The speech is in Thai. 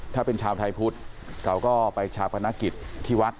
ถ้าเป็นชาวไทยพุทธเราก็ไปชาปนกิจที่วัด